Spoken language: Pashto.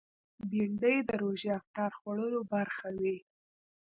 بېنډۍ د روژې افطار خوړلو برخه وي